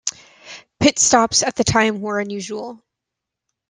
Pit stops at the time were unusual.